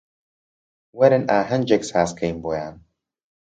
وەرن ئاهەنگێک سازکەین بۆیان